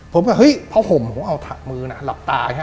ผมก็เฮ้ยผ้าห่มผมเอามือนะหลับตาอย่างนี้